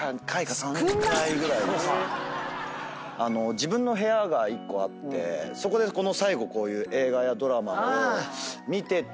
自分の部屋が１個あってそこで最後こういう映画やドラマを見てて。